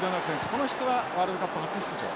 この人はワールドカップ初出場。